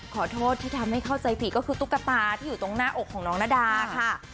ขอโทษที่ทำให้เข้าใจผิดก็คือตุ๊กตาที่อยู่ตรงหน้าอกของน้องนาดาค่ะ